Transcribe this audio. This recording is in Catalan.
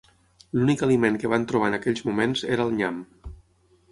L'únic aliment que van trobar en aquells moments era el nyam.